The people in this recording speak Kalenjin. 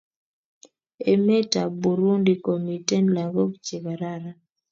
Emet ab Burundi komiten lakok che kararan